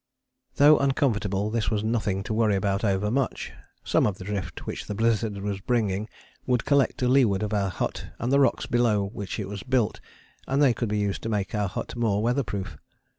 Though uncomfortable this was nothing to worry about overmuch. Some of the drift which the blizzard was bringing would collect to leeward of our hut and the rocks below which it was built, and they could be used to make our hut more weather proof.